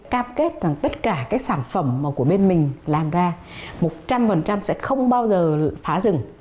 cam kết rằng tất cả cái sản phẩm mà của bên mình làm ra một trăm linh sẽ không bao giờ phá rừng